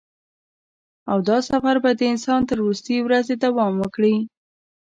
او دا سفر به د انسان تر وروستۍ ورځې دوام وکړي.